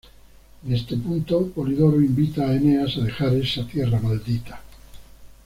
En este punto Polidoro invita a Eneas a dejar esa tierra maldita.